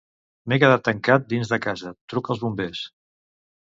M'he quedat tancat dins de casa; truca als bombers.